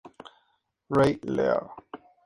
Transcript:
Rey Lear.